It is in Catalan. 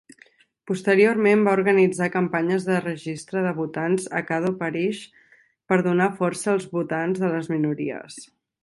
Posteriorment va organitzar campanyes de registre de votants a Caddo Parish per donar força als votants de les minories.